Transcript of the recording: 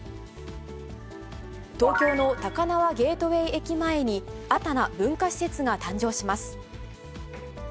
東京の高輪ゲートウェイ駅前に、新たな文化施設が誕生します。